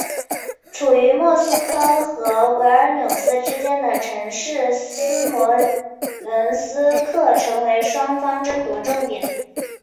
处于莫斯科和维尔纽斯之间的城市斯摩棱斯克成为双方争夺重点。